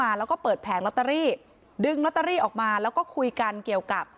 แล้วก็เปิดแผงลอตเตอรี่ดึงลอตเตอรี่ออกมาแล้วก็คุยกันเกี่ยวกับ